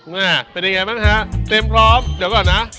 แม่เป็นยังไงบ้างฮะเตรียมพร้อมเดี๋ยวก่อนนะ